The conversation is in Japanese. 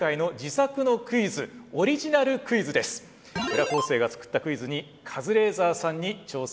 浦高生が作ったクイズにカズレーザーさんに挑戦してもらいます。